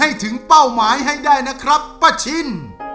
ให้ถึงเป้าหมายให้ได้นะครับป้าชิน